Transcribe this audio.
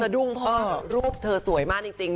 สะดุงเพราะรูปสวยมากจริง